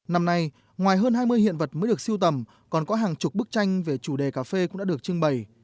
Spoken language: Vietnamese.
năm nay ngoài hơn hai mươi hiện vật mới được siêu tầm còn có hàng chục bức tranh về chủ đề cà phê cũng đã được trưng bày